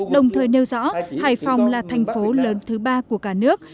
đồng thời nêu rõ hải phòng là thành phố lớn thứ ba của cả nước